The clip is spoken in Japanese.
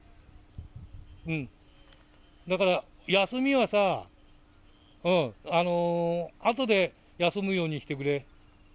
だから休みはさ、あとで休むようにしてくれ。